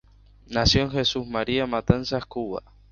Nació en Jesús María, Matanzas, Cuba.